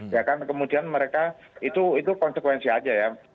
ya kan kemudian mereka itu konsekuensi aja ya